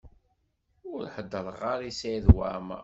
Ur heddeṛ ara i Saɛid Waɛmaṛ.